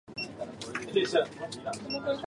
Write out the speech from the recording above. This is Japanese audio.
奇妙な男で、彼は人から話し掛けられないと口をきかない。